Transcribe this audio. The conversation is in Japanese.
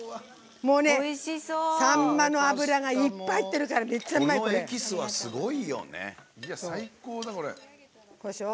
さんまの脂がいっぱい入ってるからめっちゃうまい！